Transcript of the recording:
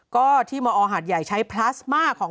ก็ที่มอหาดใหญ่ใช้พลาสมาของ